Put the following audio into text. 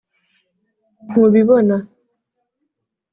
ntubibona